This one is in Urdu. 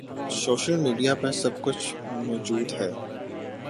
سوشل میڈیا پر سب کچھ موجود ہے